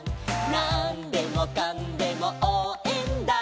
「なんでもかんでもおうえんだ」